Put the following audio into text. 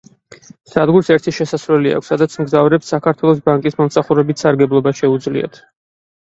სადგურს ერთი შესასვლელი აქვს, სადაც მგზავრებს „საქართველოს ბანკის“ მომსახურებით სარგებლობა შეუძლიათ.